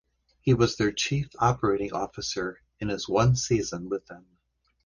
He was their Chief Operating Officer in his one season with them.